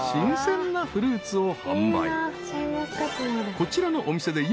［こちらのお店で今］